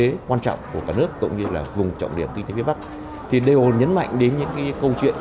kinh tế quan trọng của cả nước cũng như là vùng trọng điểm kinh tế phía bắc thì đều nhấn mạnh đến những cái câu chuyện